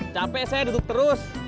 capek saya duduk terus